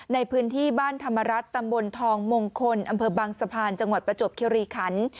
ในพื้นที่บ้านธรรมรัฐตำบลทองมงคลอำเภอบางสะพานจังหวัดประจวบคิริขัน